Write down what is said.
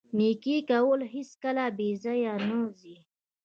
نیکي کول هیڅکله بې ځایه نه ځي.